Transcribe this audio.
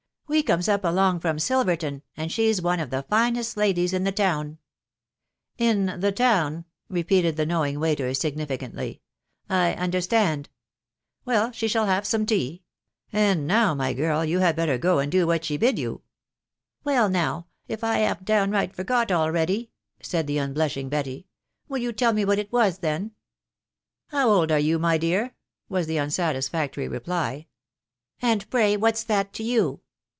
•.. We comes up along from Silverton, and she's one of the finest ladies in the town." " In the town/' repeated the knomn& witex v^gEa&KKc^ ... "I understand. .... Well, s\ve ifoaW. \uw* wiafc *R*\ 99 THM WIDOW KABNABY. .... And now my girl, you had better go and do what ahe bid you." " Well now, if I hav'n't downright forgot already !" said the unblushing Betty. " Will you tell me what it was then ?"" How old are you, my dear ?" was the uasatisfactory reply. w And pray what's that to you